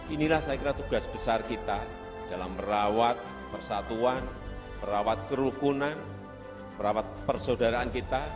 inilah saya kira tugas besar kita dalam merawat persatuan merawat kerukunan merawat persaudaraan kita